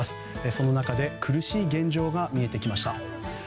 その中で苦しい現状が見えてきました。